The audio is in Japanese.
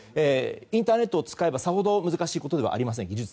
インターネットを使えば技術的には、さほど難しいことではありません。